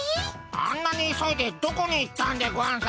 あんなに急いでどこに行ったんでゴンス？